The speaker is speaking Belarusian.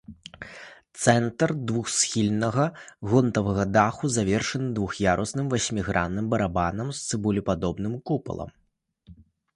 Цэнтр двухсхільнага гонтавага даху завершаны двух'ярусным васьмігранным барабанам з цыбулепадобным купалам.